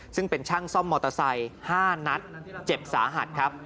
ซึ่งเป็นช่างซ่อมมอเตอร์ไซค์๕นัดเจ็บสาหัสครับ